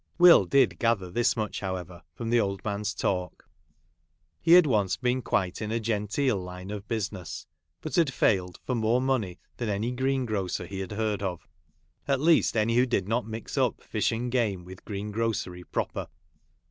Will did gather this much, however, from the old man s talk. He had once been quite in a genteel line of business, but had failed for more money than any greengrocer he had heard of ; at least, any who did not mix up fish and game with greengrocery proper.